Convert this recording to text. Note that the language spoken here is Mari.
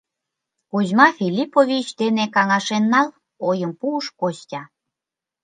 — Кузьма Филиппович дене каҥашен нал, — ойым пуыш Костя.